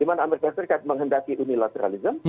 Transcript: dimana amerika serikat menghendaki unilateralism